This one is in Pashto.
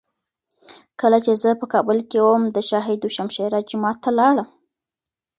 کله چي زه په کابل کي وم، د شاه دو شمشېره جومات ته لاړم.